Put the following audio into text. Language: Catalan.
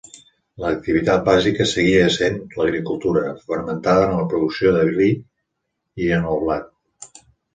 L'activitat bàsica seguia essent l'agricultura, fonamentada en la producció de vi i en el blat.